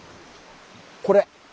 これ！